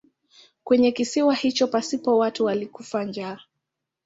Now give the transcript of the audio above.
Kwenye kisiwa hicho pasipo watu alikufa njaa.